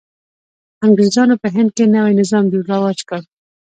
انګرېزانو په هند کې نوی نظام رواج کړ.